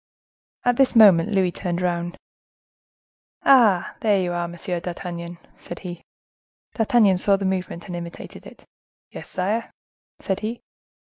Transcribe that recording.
At this moment Louis turned round. "Ah! are you there, Monsieur d'Artagnan?" said he. D'Artagnan saw the movement and imitated it. "Yes, sire," said he.